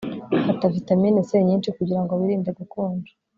Fata vitamine C nyinshi kugirango wirinde gukonja